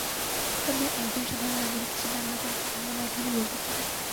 তবে একজন সাধারণ নাগরিক হিসেবে আমরা কয়েকটি ধারণা এখানে বলতে পারি।